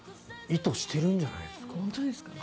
意図してるんじゃないですか。